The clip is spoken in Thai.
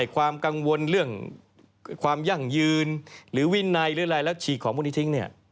ความกังวลเรื่องความยั่งยืนหรือวินัยหรืออะไรแล้วฉีกของพวกนี้ทิ้ง